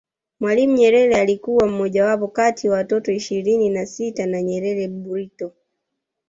Mwalimu Nyerere alikuwa mojawapo kati watoto ishirini na sita wa Nyerere Burito